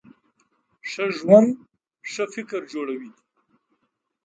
ښه ژوند ښه فکر جوړوي.